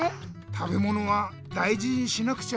食べものはだいじにしなくちゃね！